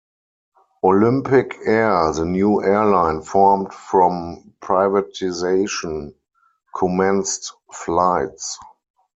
Olympic Air, the new airline formed from privatisation, commenced flights.